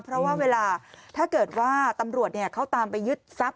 เพราะว่าเวลาถ้าเกิดว่าตำรวจเขาตามไปยึดทรัพย